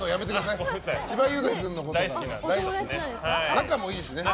仲もいいしね。